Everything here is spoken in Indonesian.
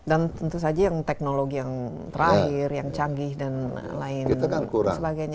dan tentu saja yang teknologi yang terakhir yang canggih dan lain sebagainya